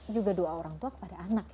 juga doa orang tua kepada anak